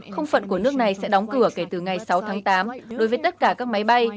không phận của nước này sẽ đóng cửa kể từ ngày sáu tháng tám đối với tất cả các máy bay